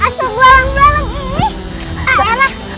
asal belalang belalang ini